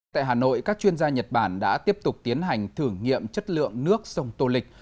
tại hà nội các chuyên gia nhật bản đã tiếp tục tiến hành thử nghiệm chất lượng nước sông tô lịch